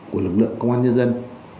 của lực lượng công an nhân dân